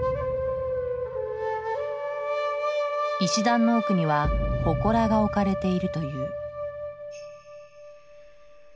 石段の奥には祠が置かれているという。